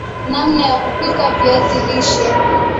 namna ya kupika viazi lishe